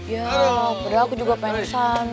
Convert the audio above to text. ya udah aku yang pengen ke sana